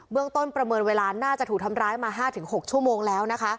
เรื่องต้นประเมินเวลาน่าจะถูกทำร้ายมา๕๖ชั่วโมงแล้วนะคะ